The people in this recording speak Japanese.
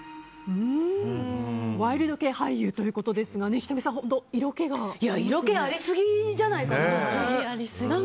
ワイルド系俳優ということですが色気ありすぎじゃないかな。